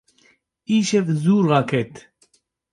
Îşev zû raket.